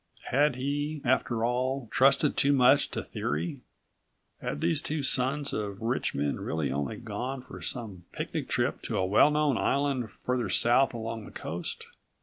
Had he, after all, trusted too much to theory? Had these two sons of rich men really only gone for some picnic trip to a well known island farther south along the coast?